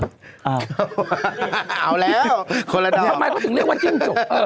ว้าวคนละดอก